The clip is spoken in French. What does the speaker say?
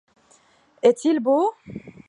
Est-il beau ?